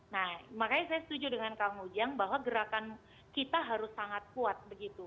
nah makanya saya setuju dengan kang ujang bahwa gerakan kita harus sangat kuat begitu